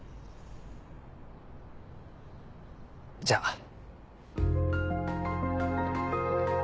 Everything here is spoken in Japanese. じゃあ。